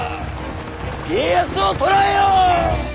家康を捕らえよ！